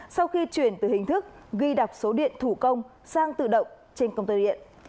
sau khi chuyển từ hình thức ghi đọc số điện thủ công sang tự động trên công tơ điện